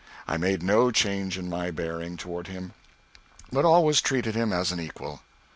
I made no change in my bearing toward him, but always treated him as an equal.